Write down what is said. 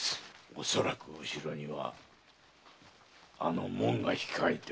おそらく後ろにはあの“もん”が控えておる。